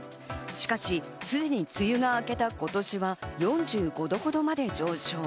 しかし、すでに梅雨が明けた今年は４５度ほどまで上昇。